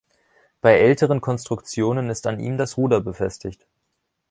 Bei älteren Konstruktionen ist an ihm das Ruder befestigt.